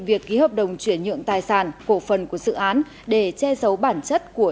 việc ký hợp đồng chuyển nhượng tài sản cổ phần của dự án để che giấu bản chất của